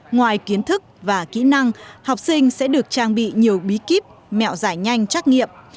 ngoài kiến thức và kỹ năng học sinh sẽ được trang bị nhiều bí kíp mẹo giải nhanh trắc nghiệm